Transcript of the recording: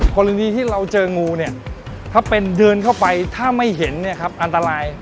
กรณีที่เราเจองูเนี่ยถ้าเป็นเดินเข้าไปถ้าไม่เห็นเนี่ยครับอันตราย